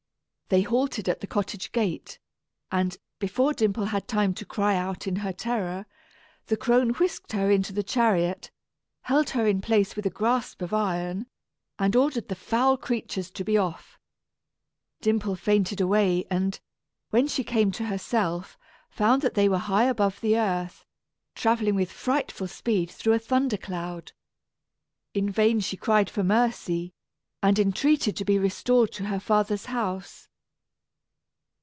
They halted at the cottage gate; and, before Dimple had time to cry out in her terror, the crone whisked her into the chariot, held her in place with a grasp of iron, and ordered the foul creatures to be off. Dimple fainted away and, when she came to herself, found that they were high above the earth, travelling with frightful speed through a thunder cloud. In vain she cried for mercy, and entreated to be restored to her father's house.